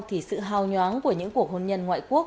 thì sự hào nhoáng của những cuộc hôn nhân ngoại quốc